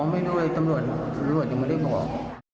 ไม่รู้เลยตำรวจตำรวจยังไม่ได้บอก